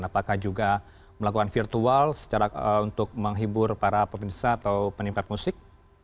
apakah juga melakukan virtual secara untuk menghibur para pebisnis atau penimpa musik